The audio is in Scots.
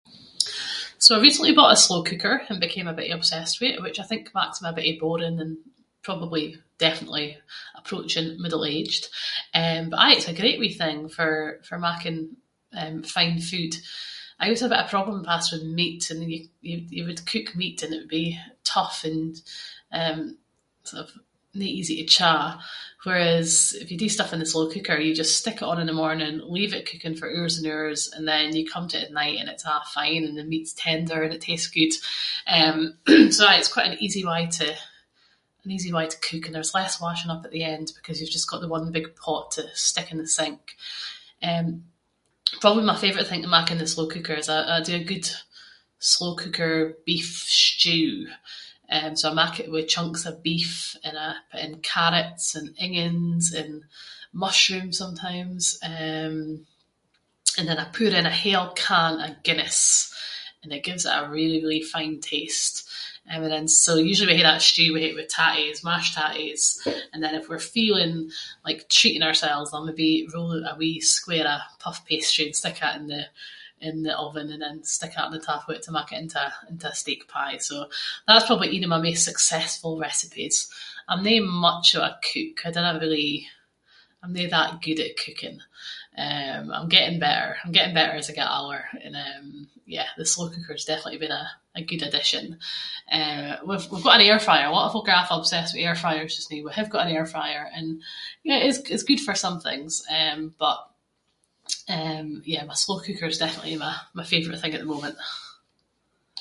So, I recently bought a slow cooker and became a bittie obsessed with it, which I think maks me a bittie boring and probably, definitely approaching middle-aged. Eh but aye, it’s a great wee thing for- for making fine food. I aieways had a problem in the past with with meat and you- you would cook meat, and it would be tough and eh sort of no easy to chew. Whereas if you do stuff in the slow cooker, you just stick it on in the morning, leave it cooking for hours and hours and then you come to it at night and it’s a’ fine, and the meat’s tender and it tastes good. Eh, so aye it’s quite an easy way to- an easy way to cook, and there’s less washing up at the end because you’ve just got the one big pot to stick in the sink. Eh probably my favourite thing to mak in the slow cooker is I- I do a good slow cooker beef stew. Eh so I mak it with chunks of beef and a- and carrots and ingens and mushrooms sometimes. Eh and then I pour in a whole can of Guinness, and it gives it a really really fine taste. Eh and then so usually when we hae that stew, we hae it with tatties- mashed tatties. And then if we’re feeling like treating oursels, I’ll maybe roll oot a wee square of puff pastry and stick that in the- in the oven and then stick that on the top of it, to mak it into a- into a steak pie. So, that’s probably ain of my maist successful recipies. I’m no much of a cook, I dinna really-I’m no that good at cooking. Eh I’m getting better, I’m getting better as I get older. And eh yeah, the slow cooker has definitely been a- a good addition. Eh, we’ve- we’ve got an air fryer. A lot of folk are awfu’ obsessed with air fryers just noo. We have got an air fryer and yeah, it’s- it’s good for some things. Eh but eh, yeah, my- my slow cooker’s definitely my favourite thing at the moment.